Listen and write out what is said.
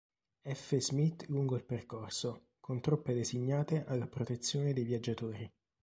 F. Smith lungo il percorso, con truppe designate alla protezione dei viaggiatori.